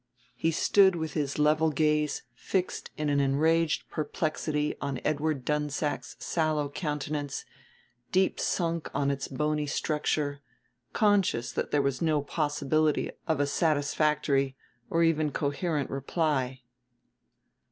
He stood with his level gaze fixed in an enraged perplexity on Edward Dunsack's sallow countenance, deep sunk on its bony structure, conscious that there was no possibility of a satisfactory or even coherent reply.